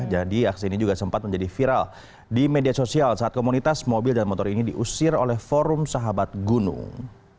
jadi aksi ini juga sempat menjadi viral di media sosial saat komunitas mobil dan motor ini diusir oleh forum sahabat gunung